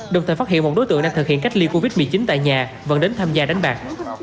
đồng thời phát hiện một đối tượng đang thực hiện cách ly covid một mươi chín tại nhà vận đến tham gia đánh bạc